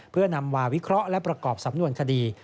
เพื่อนำมาวิเคราะห์และประกอบสำนวนคดี